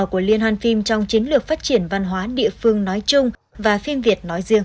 của liên hoàn phim trong chiến lược phát triển văn hóa địa phương nói chung và phim việt nói riêng